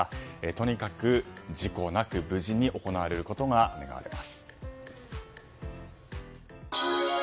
とにかく事故なく無事に行われることが願われます。